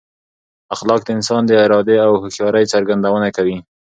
اخلاق د انسان د ارادې او هوښیارۍ څرګندونه کوي.